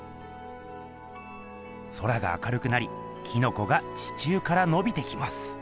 空が明るくなりキノコが地中からのびてきます。